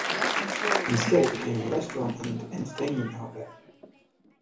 Instead it became a restaurant and entertainment outlet.